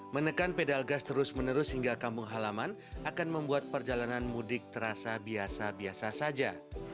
menekan pedal gas terus menerus hingga kampung halaman akan membuat perjalanan mudik terasa biasa biasa saja